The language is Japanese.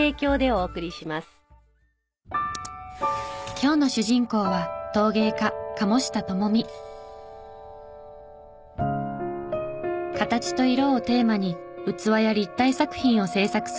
今日の主人公は形と色をテーマに器や立体作品を制作する鴨下さん。